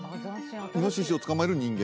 イノシシを捕まえる人間？